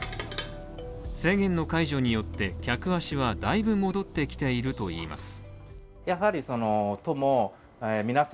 制限の解除によって客足はだいぶ戻ってきているといいます。